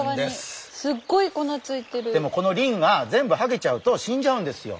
でもこのりんが全部はげちゃうと死んじゃうんですよ。